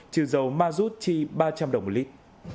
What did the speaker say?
trừ dầu ma rút chi ba trăm linh đồng một lít